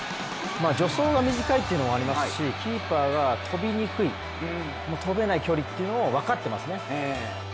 助走が短いというのもありますしキーパーが跳びにくい、跳べない距離というのを分かってますね。